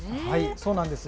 そうなんです。